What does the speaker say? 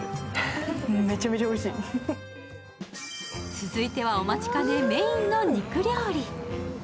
続いてはお待ちかね、メインの肉料理。